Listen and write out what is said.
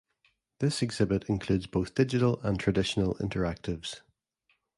This exhibit includes both digital and traditional interactives.